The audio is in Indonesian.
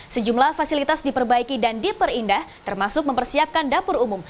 sejumlah fasilitas diperbaiki dan diperindah termasuk mempersiapkan dapur umum